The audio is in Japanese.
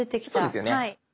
そうですよね。